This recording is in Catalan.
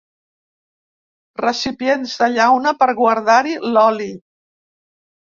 Recipients de llauna per guardar-hi l'oli.